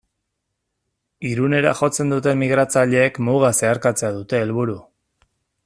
Irunera jotzen duten migratzaileek muga zeharkatzea dute helburu.